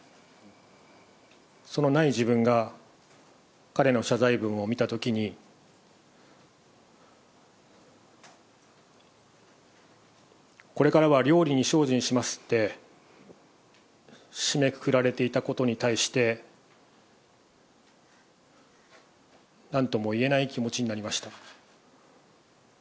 そのない自分が彼の謝罪文を見たときに、これからは料理に精進しますって締めくくられていたことに対して、なんともいえない気持ちになりました。